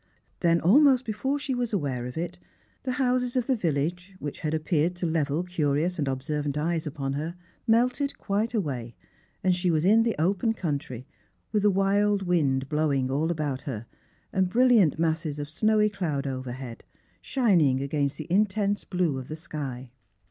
Then, almost before she was aware of it, the houses of the village, which had appeared to level curious and observant eyes upon her, melted quite away, and she was in the open coun try, with the wild wind blowing all about her, and brilliant masses of snowy cloud overhead, shining against the intense blue of the sky.